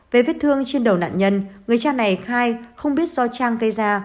về viết thương trên đầu nạn nhân người cha này khai không biết do trang cây ra